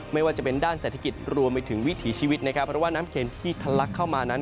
ไม่ว่าจะเป็นด้านเศรษฐกิจรวมไปถึงวิถีชีวิตนะครับเพราะว่าน้ำเคนที่ทะลักเข้ามานั้น